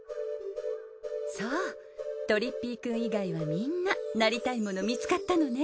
そうとりっぴいくん以外はみんななりたいもの見つかったのね。